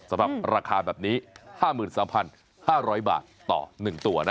สำหรับราคาแบบนี้๕๓๕๐๐บาทต่อ๑ตัวนะ